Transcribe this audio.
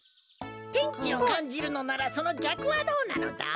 天気をかんじるのならそのぎゃくはどうなのだ？